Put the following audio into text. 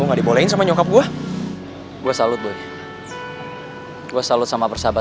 udah gak apa apa